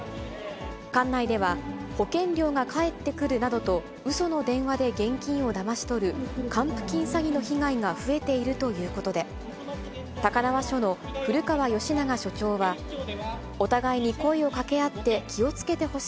管内では、保険料が返ってくるなどと、うその電話で現金をだまし取る、還付金詐欺の被害が増えているということで、高輪署の古川嘉長署長は、お互いに声をかけ合って、気をつけてほ